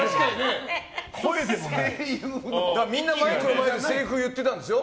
みんなマイクの前でセリフを言ってたんですよ。